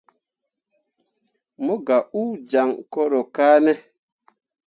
Mo gah uu jaŋ koro kane.